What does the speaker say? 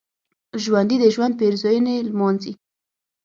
ژوندي د ژوند پېرزوینې لمانځي